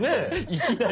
いきなり。